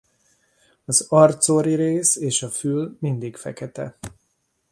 Az arcorri rész és a fül mindig fekete.